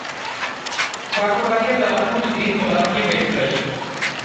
کاروباری اداروں کو مزید مراعات کی پیشکش